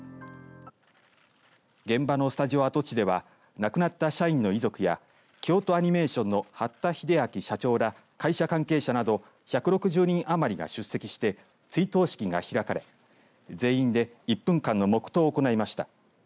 現場のスタジオ跡地では亡くなった社員の遺族や京都アニメーションの八田英明社長ら会社関係者など１６０人余りが出席して追悼式が開かれ全員で１分間の黙とうを行いました。